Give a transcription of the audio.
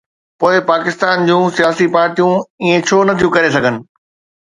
پوءِ پاڪستان جون سياسي پارٽيون ائين ڇو نٿيون ڪري سگهن؟